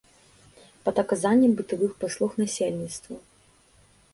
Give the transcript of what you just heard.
Пад аказанне бытавых паслуг насельніцтву.